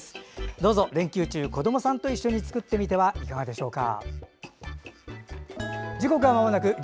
どうぞ、連休中、お子さんと一緒に作ってみてはいかがでしょうか。